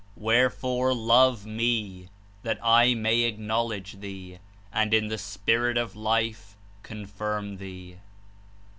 Wherefore love Me, that I may ac knowledge thee and in the Spirit of Life confirm thee.''